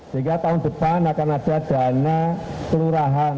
tiga tahun depan akan ada dana pelurahan